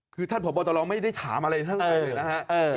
คือท่านพบตลไม่ได้ถามอะไรทั้งใดนะฮะ